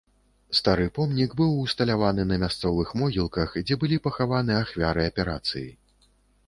Стары помнік быў усталяваны на мясцовых могілках, дзе былі пахаваны ахвяры аперацыі.